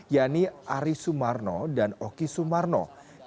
yakni ari sumarno dan okonofi